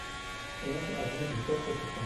onze avenue du Quatre Septembre